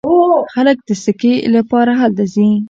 خلک د سکي لپاره هلته ځي.